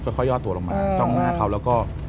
ค่อยยอดตัวลงมาจ้องหน้าเขาแล้วก็